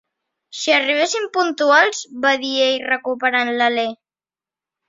"Si arribéssim puntuals!" va dir ell, recuperant l'alè.